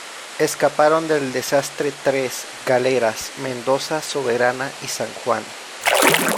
Escaparon del desastre tres galeras, "Mendoza", "Soberana" y "San Juan".